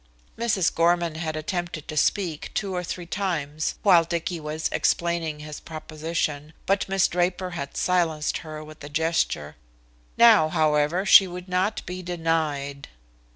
Mrs. Gorman had attempted to speak two or three times while Dicky was explaining his proposition, but Miss Draper had silenced her with a gesture. Now, however, she would not be denied.